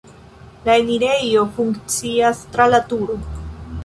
La enirejo funkcias tra la turo.